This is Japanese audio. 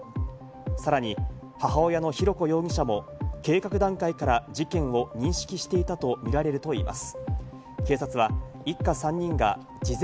さらに母親の浩子容疑者も計画段階から事件を認識していたと見られるといいます。